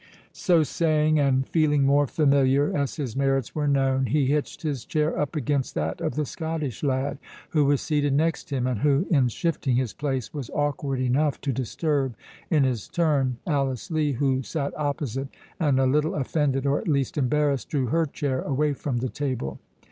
So saying, and feeling more familiar as his merits were known, he hitched his chair up against that of the Scottish lad, who was seated next him, and who, in shifting his place, was awkward enough to disturb, in his turn, Alice Lee, who sate opposite, and, a little offended, or at least embarrassed, drew her chair away from the table.